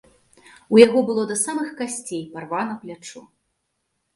У яго было да самых касцей парвана плячо.